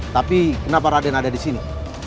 tapi kenapa raden ada di sini